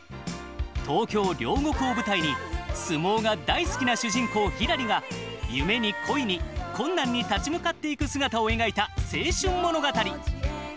東京・両国を舞台に相撲が大好きな主人公ひらりが夢に恋に困難に立ち向かっていく姿を描いた青春物語。